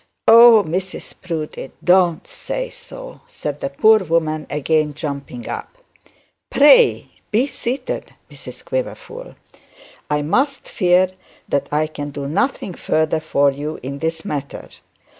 'Oh! Mrs Proudie don't say so,' said the poor woman, again jumping up. 'Pray be seated, Mrs Quiverful. I much fear that I can do nothing further for you in this matter.